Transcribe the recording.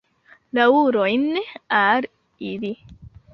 Laŭrojn al ili!